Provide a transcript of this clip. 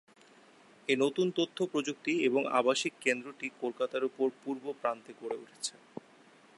এই নতুন তথ্য প্রযুক্তি এবং আবাসিক কেন্দ্রটি কলকাতার উত্তর-পূর্ব প্রান্তে গড়ে উঠছে।